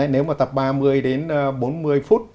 nếu mà tập ba mươi đến bốn mươi phút